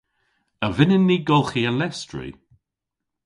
A vynnyn ni golghi an lestri?